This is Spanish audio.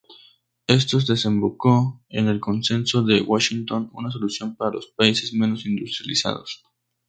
Esto desembocó en el Consenso de Washington, una solución para los países menos industrializados.